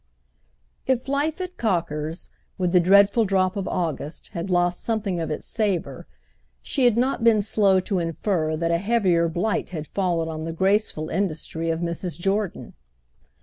If life at Cocker's, with the dreadful drop of August, had lost something of its savour, she had not been slow to infer that a heavier blight had fallen on the graceful industry of Mrs. Jordan.